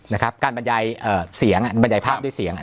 นะครับการบรรยายเอ่อเสียงอ่ะบรรยายภาพด้วยเสียงอ่ะ